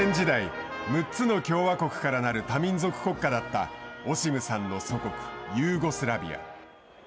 冷戦時代、６つの共和国からなる多民族国家だったオシムさんの祖国ユーゴスラビア。